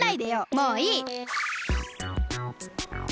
もういい！